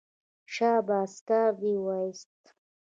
شاباس کار دې وایست.